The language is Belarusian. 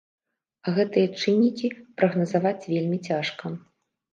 А гэтыя чыннікі прагназаваць вельмі цяжка.